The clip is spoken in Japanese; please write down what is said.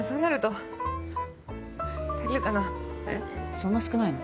そんな少ないの？